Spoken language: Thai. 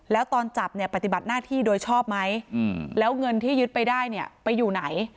แล้วตอนจับเนี่ยปฏิบัติหน้าที่โดยชอบไหมแล้วเงินที่ยึดไปได้เนี่ยไปอยู่ไหน